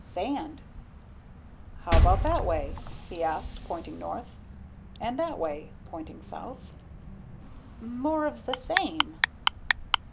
"Sand." "How about that way?" he asked, pointing north. "And that way?" pointing south. "More of the same."